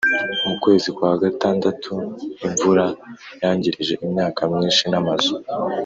Mukwezi kwa gatandatu imvura yangirije imyaka myinshi n’amazu